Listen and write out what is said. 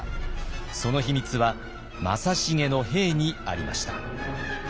その秘密は正成の兵にありました。